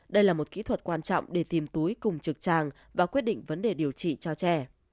đây là một kỹ thuật quan trọng để tìm túi cùng trực tràng và quyết định vấn đề điều trị cho trẻ